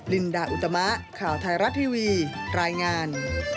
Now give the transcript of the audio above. ลินดาอุตมะข่าวไทยรัฐทีวีรายงาน